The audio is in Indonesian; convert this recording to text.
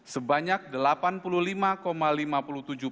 sebanyak delapan puluh lima lima puluh tujuh persen penularan pada kaum heteroseksual